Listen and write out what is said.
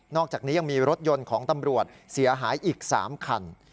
อกจากนี้ยังมีรถยนต์ของตำรวจเสียหายอีก๓คัน